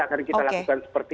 akan kita lakukan seperti